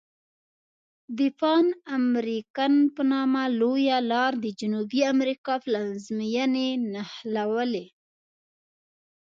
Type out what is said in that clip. د پان امریکن په نامه لویه لار د جنوبي امریکا پلازمیني نښلولي.